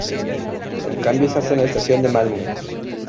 El cambio se hace en la Estación de Malmö.